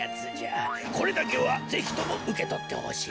これだけはぜひともうけとってほしい。